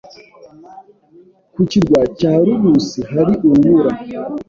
Ku kirwa cya Lulus hari urubura